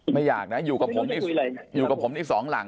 ไม่อยากนะครับไม่อยากนะอยู่กับผมอีกสองหลัง